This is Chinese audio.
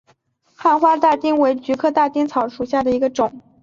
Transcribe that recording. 早花大丁草为菊科大丁草属下的一个种。